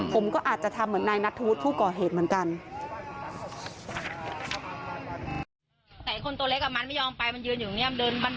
ผมก็อาจจะทำเหมือนนายนัทธวุฒิผู้ก่อเหตุเหมือนกัน